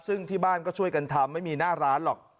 ซึ่งที่บ้านก็ช่วยกันทำไม่มีหน้าร้านหรอก